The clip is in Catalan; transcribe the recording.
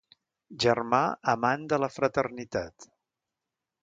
Germà amant de la fraternitat.